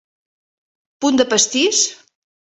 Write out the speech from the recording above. Punt de pastís?